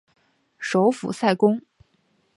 首府塞公。